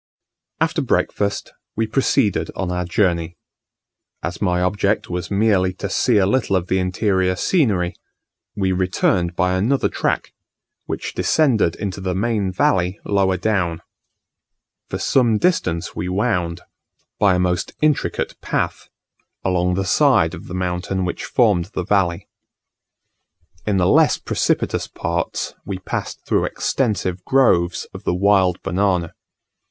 After breakfast we proceeded on our Journey. As my object was merely to see a little of the interior scenery, we returned by another track, which descended into the main valley lower down. For some distance we wound, by a most intricate path, along the side of the mountain which formed the valley. In the less precipitous parts we passed through extensive groves of the wild banana.